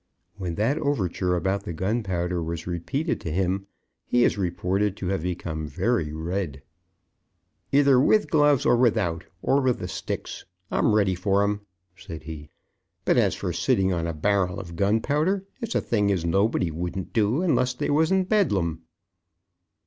When that overture about the gunpowder was repeated to him, he is reported to have become very red. "Either with gloves or without, or with the sticks, I'm ready for him," said he; "but as for sitting on a barrel of gunpowder, it's a thing as nobody wouldn't do unless they was in Bedlam."